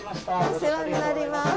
お世話になります。